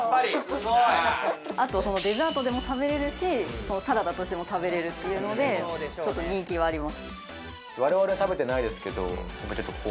・すごいあとデザートでも食べれるしサラダとしても食べれるっていうのでちょっと人気はあります